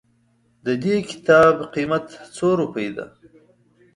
ددي کتاب قيمت څو روپئ ده